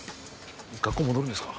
学校戻るんですか？